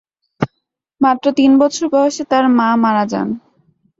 মাত্র তিন বছর বয়সে তার মা মারা যান।